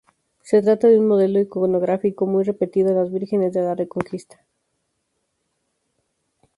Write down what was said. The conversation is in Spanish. Se trata de un modelo iconográfico muy repetido en las vírgenes de la Reconquista.